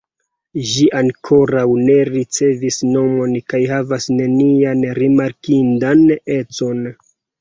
Ĝi ankoraŭ ne ricevis nomon kaj havas nenian rimarkindan econ.